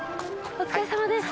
お疲れさまです。